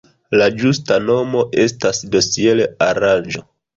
La ĝusta nomo estas dosier-aranĝo.